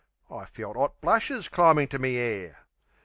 I felt 'ot blushes climbin' to me 'air.